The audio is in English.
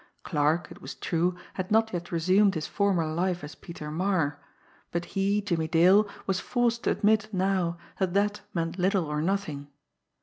Clarke, it was true, had not yet resumed his former life as Peter Marre but he, Jimmie Dale, was forced to admit now that that meant little or nothing.